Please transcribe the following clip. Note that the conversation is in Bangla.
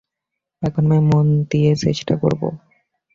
এখন আমি মন দিয়ে চেষ্টা করবো।